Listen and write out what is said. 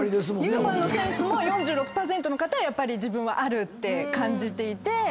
ユーモアのセンスも４６％の方は自分はあるって感じていて。